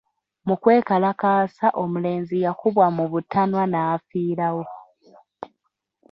Mu kwekalakaasa omulenzi yakubwa mu butanwa n'afiirawo.